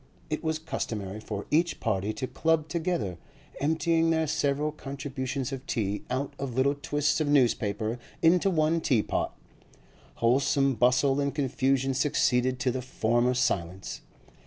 It was customary for each 'party' to club together, emptying their several contributions of tea out of little twists of newspaper into one teapot. Wholesome bustle and confusion succeeded to the former silence.